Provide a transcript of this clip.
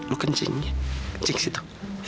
lo kencing ya kencing situ